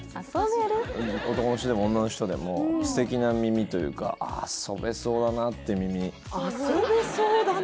男の人でも女の人でも素敵な耳というか遊べそうだなって耳遊べそうだな？